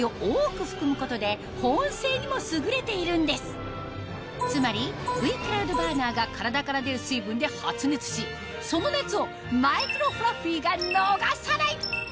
そうつまりＶ−ｃｌｏｕｄｂｕｒｎｅｒが体から出る水分で発熱しその熱をマイクロフラッフィーが逃さない！